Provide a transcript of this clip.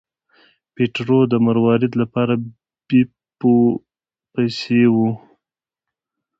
پیټرو د مروارید لپاره بیپو پسې و.